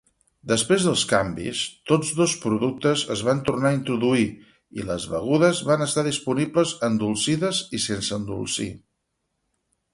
Després dels canvis, tots dos productes es van tornar a introduir, i les begudes van estar disponibles endolcides i sense endolcir.